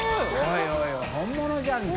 い本物じゃんか。